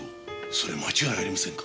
それ間違いありませんか？